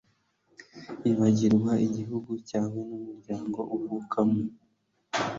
ibagirwa igihugu cyawe n’umuryango uvukamo